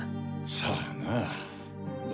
さあなど